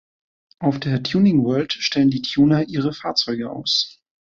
Auf der Tuning World stellen die Tuner ihre Fahrzeuge aus.